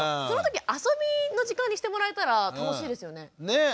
その時遊びの時間にしてもらえたら楽しいですよね。